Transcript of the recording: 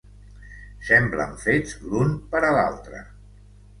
Semblen fets l'un per a l'altre.